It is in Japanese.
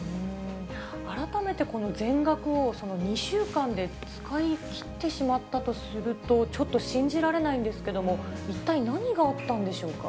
改めてこの全額を２週間で使い切ってしまったとすると、ちょっと信じられないんですけども、一体何があったんでしょうか。